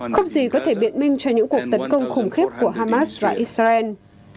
không gì có thể biện minh cho những cuộc tấn công khủng khiếp của hamas và israel